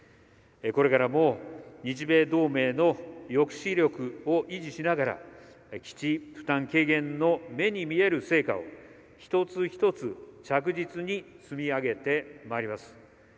これからも日米同盟の抑止力を維持しながら基地負担軽減の目に見える成果を一つ一つ、着実に積み上げてまいります。